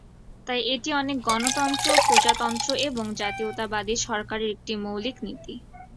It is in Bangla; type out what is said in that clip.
তাই এটি অনেক গণতন্ত্র, প্রজাতন্ত্র এবং জাতীয়তাবাদী সরকারের একটি মৌলিক নীতি।